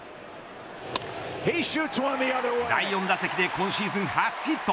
第４打席で今シーズン初ヒット。